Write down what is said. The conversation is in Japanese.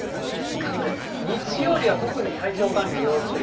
なので、日曜日は特に体調管理、要注意。